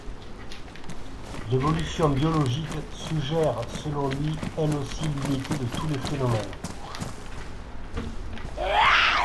L'évolution biologique suggère selon lui elle aussi l'unité de tous les phénomènes.